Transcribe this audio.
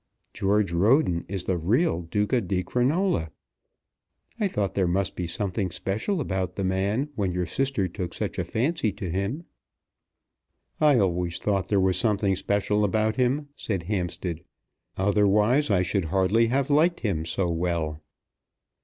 George Roden is the real Duca di Crinola. I thought there must be something special about the man when your sister took such a fancy to him." "I always thought there was something special about him," said Hampstead; "otherwise I should hardly have liked him so well."